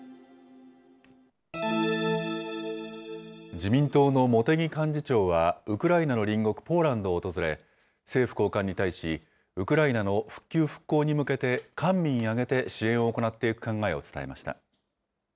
自民党の茂木幹事長は、ウクライナの隣国、ポーランドを訪れ、政府高官に対し、ウクライナの復旧復興に向けて、官民挙げて支援を行っていく考えを伝えました。